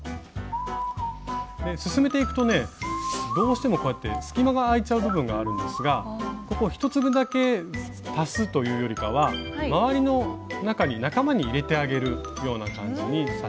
進めていくとねどうしてもこうやって隙間があいちゃう部分があるんですがここ１粒だけ足すというよりかは周りの中に仲間に入れてあげるような感じに刺していきたいと思います。